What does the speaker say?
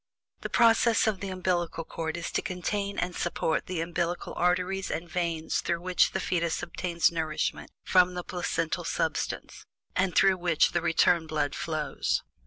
The purpose of the umbillical cord is to contain and support the umbillical arteries and veins through which the fetus obtains nourishment from the placental substance, and through which the return blood flows.